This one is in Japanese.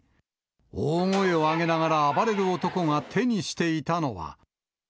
大声を上げながら暴れる男が手にしていたのは。